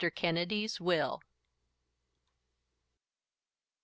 KENNEDY'S WILL. Mr.